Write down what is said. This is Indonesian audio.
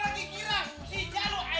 panggil saja si jawa